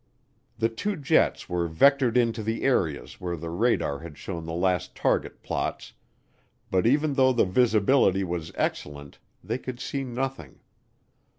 The two jets were vectored into the areas where the radar had shown the last target plots, but even though the visibility was excellent they could see nothing.